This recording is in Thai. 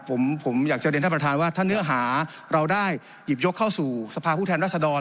ผมอยากจะเรียนท่านประธานว่าถ้าเนื้อหาเราได้หยิบยกเข้าสู่สภาพผู้แทนรัศดร